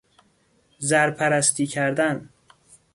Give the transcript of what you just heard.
زرپرستی کردن